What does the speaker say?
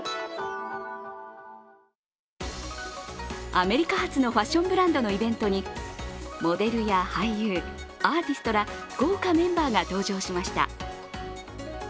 アメリカ発のファッションブランドのイベントにモデルや俳優、アーティストら、豪華メンバーが登場しました。